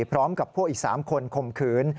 พร้อมกับพวกอีก๓คนข่มขืน